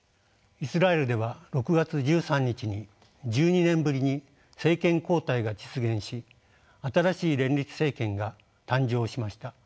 イスラエルでは６月１３日に１２年ぶりに政権交代が実現し新しい連立政権が誕生しました。